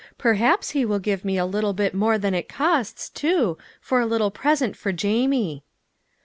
Perhaps he will give me a little bit more than it costs, too, for a little present for Jamie."